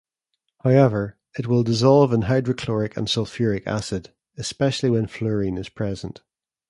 However, it will dissolve in hydrochloric and sulfuric acid, especially when fluorine is present.